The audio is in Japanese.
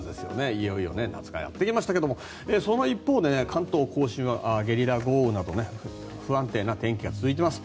いよいよ夏がやってきましたがその一方で関東・甲信はゲリラ豪雨など不安定な天気が続いています。